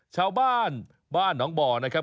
ชาวบ้านบ้านหนองบ่อนะครับ